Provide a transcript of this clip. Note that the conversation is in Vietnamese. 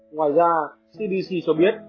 ngoài ra cdc cho biết